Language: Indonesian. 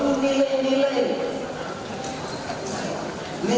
sekarang ini kita diadui oleh negara